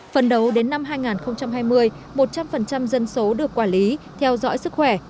phần đầu đến năm hai nghìn hai mươi một trăm linh dân số được quản lý theo dõi sức khỏe